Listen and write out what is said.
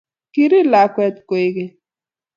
kirireei lakwet koek keny